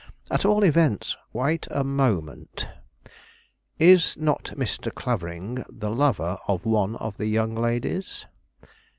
At all events " "Wait a moment! Is not Mr. Clavering the lover of one of the young ladies?"